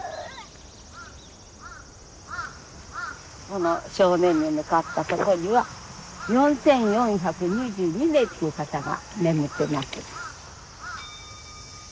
この正面に向かったとこには４，４２２名っていう方が眠ってます。